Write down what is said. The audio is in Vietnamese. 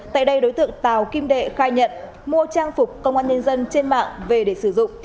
tại đây đối tượng tào kim đệ khai nhận mua trang phục công an nhân dân trên mạng về để sử dụng